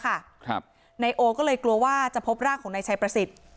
ครับนายโอก็เลยกลัวว่าจะพบร่างของนายชัยประสิทธิ์